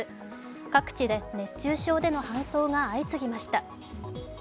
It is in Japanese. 各地で熱中症での搬送が相次ぎました。